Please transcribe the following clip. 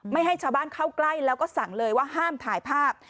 ไม่ให้ชาวบ้านเข้าใกล้แล้วก็สั่งเลยว่าห้ามถ่ายภาพ